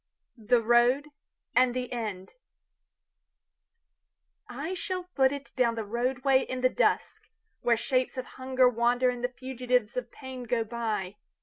The Road and the End I SHALL foot itDown the roadway in the dusk, Where shapes of hunger wanderAnd the fugitives of pain go by.